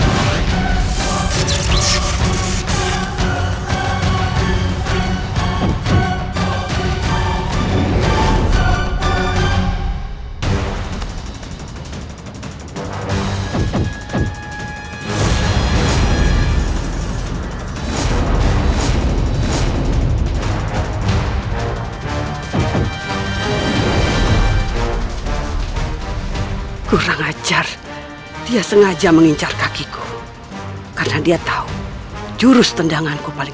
oleh karena aku sudah sangat senang bergaul bersama sama dengan kamu